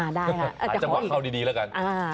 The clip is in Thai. อาจจะหวังเข้าดีแล้วกัน